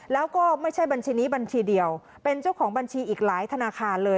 แล้วก็ไม่ใช่บัญชีนี้บัญชีเดียวเป็นเจ้าของบัญชีอีกหลายธนาคารเลย